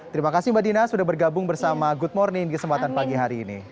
terima kasih mbak dina sudah bergabung bersama good morning di kesempatan pagi hari ini